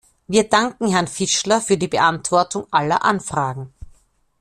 Wir danken Herrn Fischler für die Beantwortung aller Anfragen.